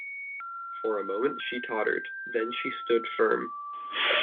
For a moment she tottered; then she stood firm.